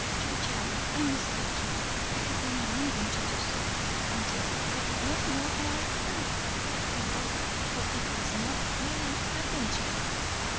Georgiana, I must tell you! I have been longing to do so, and yet I do not know how I can, after all, for it has not really happened yet.